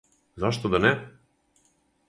Зашто да не?